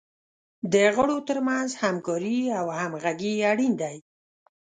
د غړو تر منځ همکاري او همغږي اړین دی.